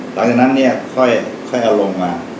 หลังจากนั้นเนี่ยค่อยเอาลงมา